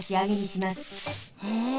へえ。